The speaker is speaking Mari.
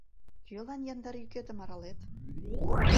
Кӧлан яндар йӱкетым аралет?